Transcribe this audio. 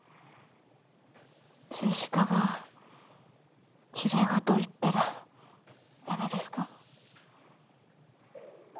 政治家がきれい事を言ったらダメですか？